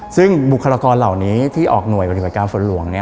ซึ่งบุคลากรเหล่านี้ที่ออกหน่วยปฏิบัติการฝนหลวง